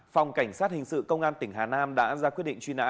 phòng cảnh sát hình sự công an tỉnh hà nam đã ra quyết định truy nã